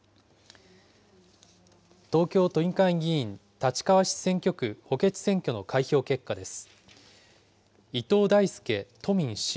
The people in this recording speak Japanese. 東京都議会議員立川市選挙区補欠選挙の開票結果です。